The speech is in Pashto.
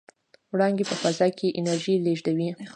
وړانګې په فضا کې انرژي لېږدوي.